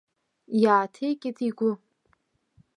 Иааҭеикит игәы.